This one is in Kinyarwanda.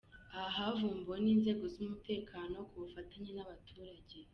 Aha havumbuwe n’inzego z’umutekano ku bufatanye n’abaturage.